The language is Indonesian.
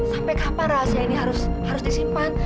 sampai kapan rahasia ini harus disimpan